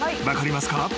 分かりますか？］